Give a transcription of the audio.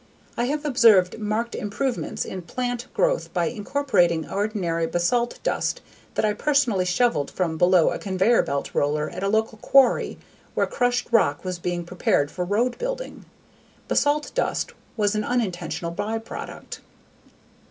I have observed marked improvements in plant growth by incorporating ordinary basalt dust that I personally shoveled from below a conveyor belt roller at a local quarry where crushed rock was being prepared for road building. Basalt dust was an unintentional byproduct.